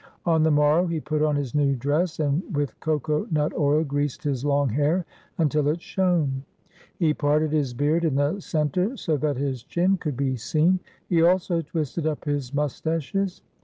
On the morrow he put on his new dress and with coco nut oil greased his long hair until it shone. He parted his beard in the centre, so that his chin could be seen. He also twisted up his moustaches.